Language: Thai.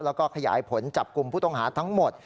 แล้วก็ขยายผลจับกลุ่มผู้ต้องหาทั้งหมด